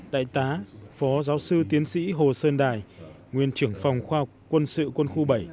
đại tá phó giáo sư tiến sĩ hồ sơn đài nguyên trưởng phòng khoa học quân sự quân khu bảy